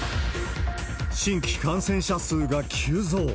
新規感染者数が急増。